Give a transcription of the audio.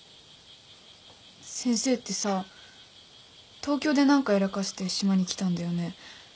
先生ってさ東京で何かやらかして島に来たんだよね？